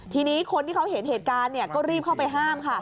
ทีนี้คนที่เขาเห็นเหตุการณ์ก็รีบเข้าไปห้ามค่ะ